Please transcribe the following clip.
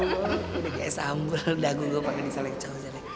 udah kayak sambal dagu gue panggilnya